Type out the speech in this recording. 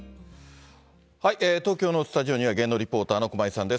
東京のスタジオには、芸能リポーターの駒井さんです。